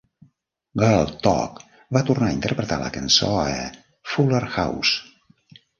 Girl Talk va tornar a interpretar la cançó a "Fuller House".